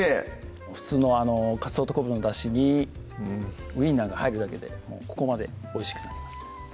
普通のかつおと昆布のだしにウインナーが入るだけでここまでおいしくなります